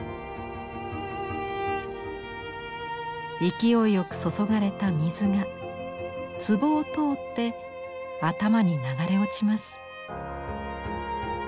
勢いよく注がれた水がつぼを通って頭に流れ落ちます。